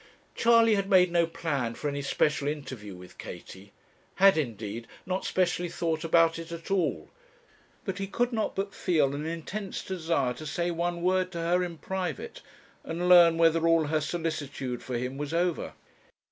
Charley had made no plan for any special interview with Katie; had, indeed, not specially thought about it at all; but he could not but feel an intense desire to say one word to her in private, and learn whether all her solicitude for him was over.